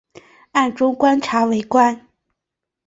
暗中观察围观